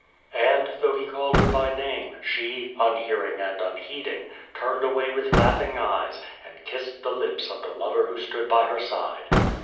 And, though he called her by name, she, unhearing and unheeding, turned away with laughing eyes, and kissed the lips of the lover who stood by her side.